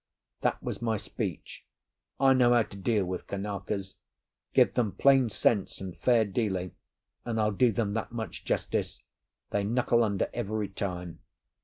That was my speech. I know how to deal with Kanakas: give them plain sense and fair dealing, and—I'll do them that much justice—they knuckle under every time.